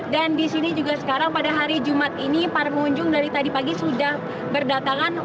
dan juga sekarang pada hari jumat ini para pengunjung dari tadi pagi sudah berdatangan